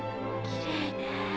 きれいね。